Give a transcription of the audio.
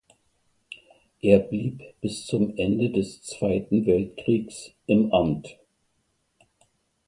Er blieb bis zum Ende des Zweiten Weltkrieges im Amt.